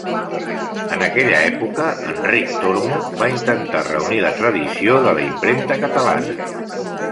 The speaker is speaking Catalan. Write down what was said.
En aquella època Enric Tormo va intentar reunir la tradició de la impremta catalana.